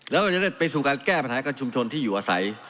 แล้วเราจะได้ไปสู่การแก้ปัญหากับชุมชนที่อยู่อาศัย